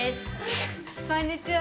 こんにちは。